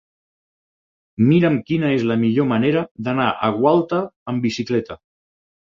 Mira'm quina és la millor manera d'anar a Gualta amb bicicleta.